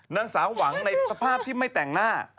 นางสาวหวังในสภาพที่ไม่แต่งหน้า